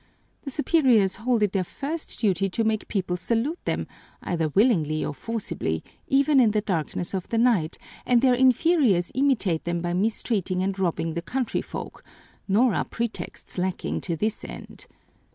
The superiors hold it their first duty to make people salute them, either willingly or forcibly, even in the darkness of the night, and their inferiors imitate them by mistreating and robbing the country folk, nor are pretexts lacking to this end.